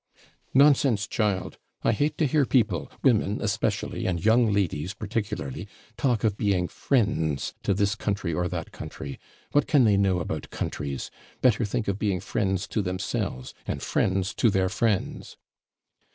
'Nonsense, child! I hate to hear people, women especially, and young ladies particularly, talk of being friends to this country or that country. What can they know about countries? Better think of being friends to themselves, and friends to their friends.'